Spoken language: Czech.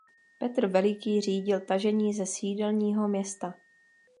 Petr Veliký řídil tažení ze sídelního města.